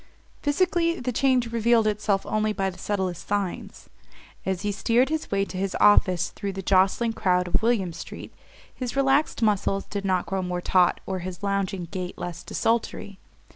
Physically the change revealed itself only by the subtlest signs. As he steered his way to his office through the jostling crowd of William Street his relaxed muscles did not grow more taut or his lounging gait less desultory.